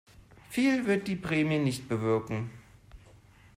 Viel wird die Prämie nicht bewirken.